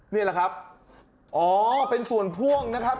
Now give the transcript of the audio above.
นี่แหละครับอ๋อเป็นส่วนพ่วงนะครับ